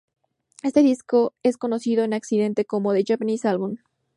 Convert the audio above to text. Este disco es conocido en occidente como "The Japanese Album".